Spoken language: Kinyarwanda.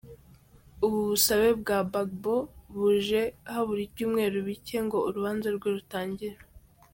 Ubu busabe bwa Gbagbo buje habura ibyumweru bike ngo urubanza rwe rutangire.